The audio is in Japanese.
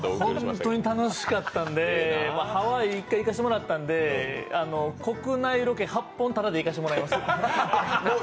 本当に楽しかったんでハワイ１回行かせてもらったんで、国内ロケ８本、ただで行かせてもらいます。